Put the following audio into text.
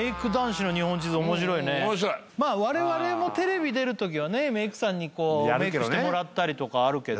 まあ我々もテレビ出る時はねメイクさんにこうメイクしてもらったりとかあるけど。